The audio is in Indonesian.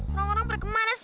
orang orang berkemana sih